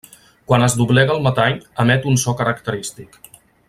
Quan es doblega el metall emet un so característic.